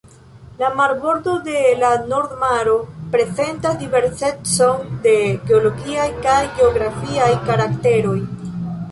La marbordo de la Nord Maro prezentas diversecon de geologiaj kaj geografiaj karakteroj.